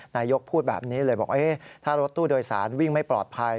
นายกพูดแบบนี้เลยบอกถ้ารถตู้โดยสารวิ่งไม่ปลอดภัย